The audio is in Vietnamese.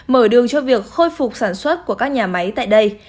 mở đường cho việc khôi phục sản xuất của các nhà máy tại đây